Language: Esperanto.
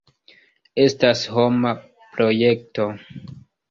Estas homa projekto.